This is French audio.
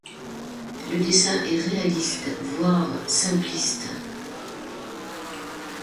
Le dessin est réaliste voire simpliste.